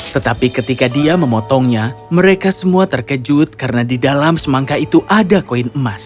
tetapi ketika dia memotongnya mereka semua terkejut karena di dalam semangka itu ada koin emas